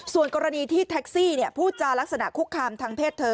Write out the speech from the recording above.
ส่วนกรณีที่แท็กซี่พูดจารักษณะคุกคามทางเพศเธอ